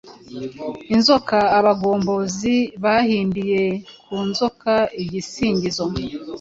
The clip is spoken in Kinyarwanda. Inzoka :Abagombozi bahimbiye ku nzoka igisingizo .